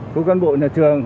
phố cán bộ nhà trường